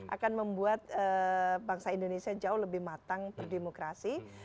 akan membuat bangsa indonesia jauh lebih matang berdemokrasi